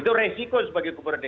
itu resiko sebagai gubernur